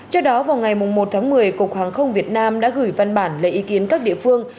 trước đó vào ngày một tháng một mươi cục hàng không việt nam đã gửi văn bản lấy ý kiến các địa phương